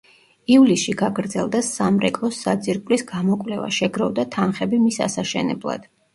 ივლისში გაგრძელდა სამრეკლოს საძირკვლის გამოკვლევა, შეგროვდა თანხები მის ასაშენებლად.